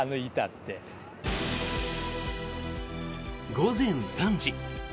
午前３時。